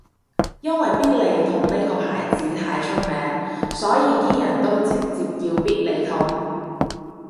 因為必理痛呢個牌子太出名所以啲人都直接叫必理痛